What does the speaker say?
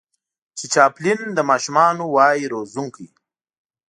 چې چاپلين د ماشومانو وای روزونکی